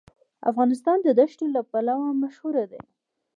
افغانستان د دښتې لپاره مشهور دی.